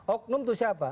oknum itu siapa